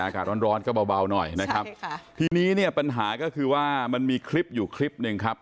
อากาศร้อนก็เบาหน่อยนะครับทีนี้เนี่ยปัญหาก็คือว่ามันมีคลิปอยู่คลิปหนึ่งครับ